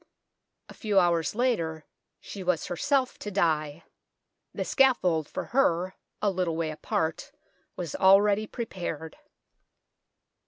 A few hours later she was herself to die ; the scaffold for her, a little way apart, was already prepared.